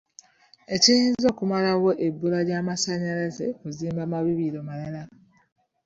Ekiyinza okumalawo ebbula ly'amasanyalaze kuzimba mabibiro malala.